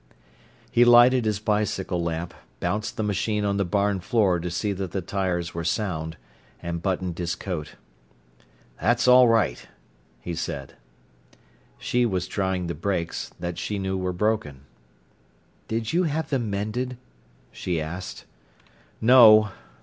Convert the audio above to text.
He lighted his bicycle lamp, bounced the machine on the barn floor to see that the tyres were sound, and buttoned his coat. "That's all right!" he said. She was trying the brakes, that she knew were broken. "Did you have them mended?" she asked. "No!"